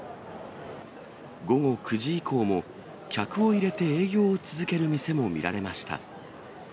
午後９時以降も、客を入れて営業を続ける店も見られました。